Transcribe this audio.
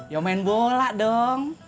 ya main bola dong